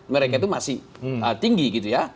mereka itu masih tinggi gitu ya